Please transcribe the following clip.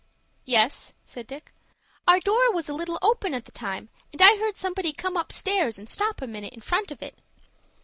"Yes," said Dick. "Our door was a little open at the time, and I heard somebody come upstairs, and stop a minute in front of it.